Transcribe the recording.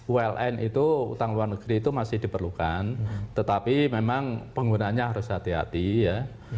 uln itu utang luar negeri itu masih diperlukan tetapi memang penggunanya harus hati hati ya